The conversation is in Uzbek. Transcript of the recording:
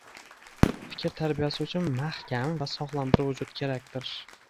Fikr tarbiyasi uchun mahkam va sog’lom bir vujud kerakdur